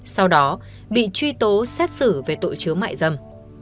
sau đó bị truy tố xét xử về tội chứa mại dâm